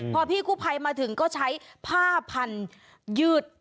พอพี่กู้ภัยมาถึงก็ใช้ผ้าพันยืด